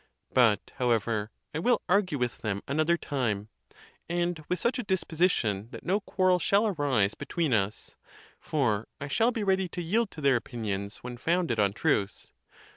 But, however, I will argue with them another time, and with such a disposition that no quarrel shall arise between us; for I shall be ready to yield to their opinions when found ed on truth.